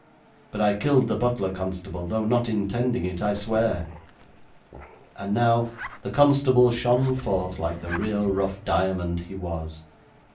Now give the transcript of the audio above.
But I killed the butler, constable, though not intending it, I swear.' And now the constable shone forth like the real rough diamond he was.